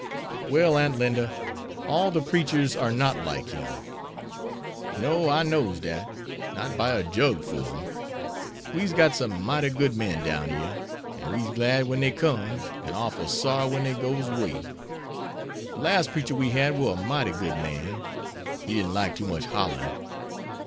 "Well, Aunt Linda, all the preachers are not like him." "No; I knows dat; not by a jug full. We's got some mighty good men down yere, an' we's glad when dey comes, an' orful sorry when dey goes 'way. De las preacher we had war a mighty good man. He didn't like too much hollerin'."